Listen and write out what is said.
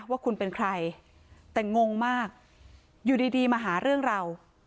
ว่าคุณเป็นใครแต่งงมากอยู่ดีมาหาเรื่องเรา